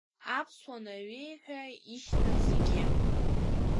Аԥсуа Наҩеи ҳәа ишьҭан зегьы.